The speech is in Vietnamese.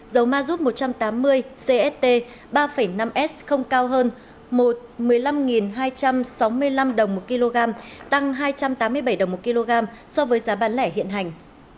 dầu ma rút một trăm tám mươi cst ba năm s không cao hơn một mươi năm hai trăm sáu mươi năm đồng một kg tăng hai trăm tám mươi bảy đồng một kg so với giá bán lẻ hiện hành